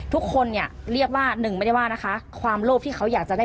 ทุกคนเนี่ยเรียกว่าหนึ่งไม่ได้ว่านะคะความโลภที่เขาอยากจะได้